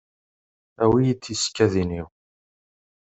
Awi-yi-d tisekkadin-iw.